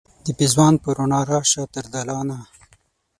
د پیزوان په روڼا راشه تر دالانه